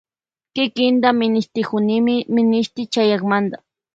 Kikinta mashkakunimi minishti chayakamanta.